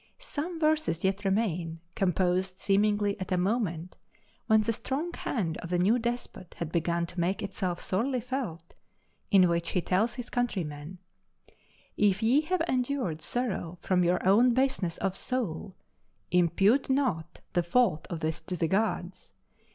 Some verses yet remain, composed seemingly at a moment when the strong hand of the new despot had begun to make itself sorely felt, in which he tells his countrymen "If ye have endured sorrow from your own baseness of soul, impute not the fault of this to the gods.